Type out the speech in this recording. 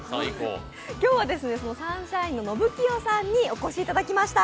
今日はサンシャインののぶきよさんにお越しいただきました。